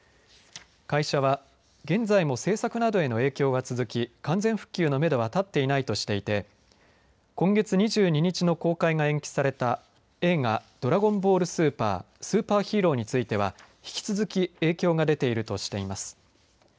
会社は現在も制作などへの影響は続き完全復旧のめどは立っていないとしていて今月２２日の公開が延期された映画、ドラゴンボール超スーパーヒーローについては引き続き影響が出ているとしています。